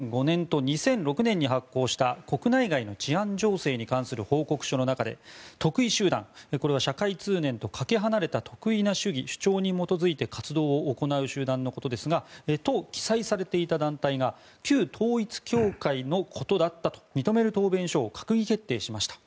１５日に政府は公安調査庁が２００５年と２００６年に発行した国内外の治安情勢に関する報告書の中で特異集団、これは社会通念とかけ離れた特異な主義・主張に基づいて活動を行う集団のことですがと記載されていた団体が旧統一教会のことだったと認める答弁書を閣議決定しました。